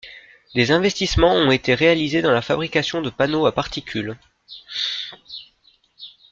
Des investissements ont été réalisés dans la fabrication de panneaux à particule.